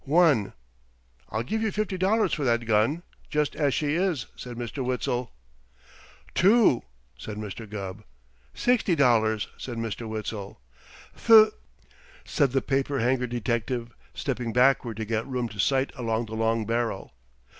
"One!" "I'll give you fifty dollars for that gun, just as she is," said Mr. Witzel. "Two!" said Mr. Gubb. "Sixty dollars!" said Mr. Witzel. "Th " said the paper hanger detective, stepping backward to get room to sight along the long barrel.